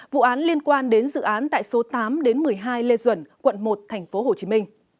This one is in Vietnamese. vụ án liên quan đến dự án tại số tám một mươi hai lê duẩn quận một tp hcm